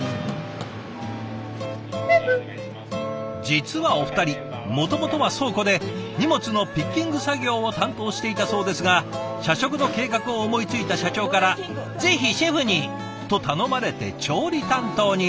実はお二人もともとは倉庫で荷物のピッキング作業を担当していたそうですが社食の計画を思いついた社長から「ぜひシェフに！」と頼まれて調理担当に。